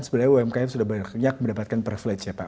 sebenarnya umkm sudah banyak mendapatkan privilege ya pak